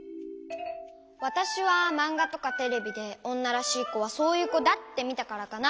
わたしはまんがとかテレビでおんならしいこはそういうこだってみたからかな。